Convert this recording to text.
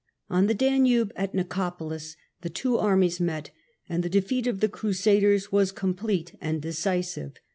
On the Danube at Battle of Nicopolis the two armies met, and the defeat of the 1396^'° '^' Crusaders was complete and decisive.